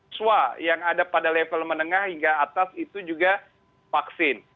swa yang ada pada level menengah hingga atas itu juga vaksin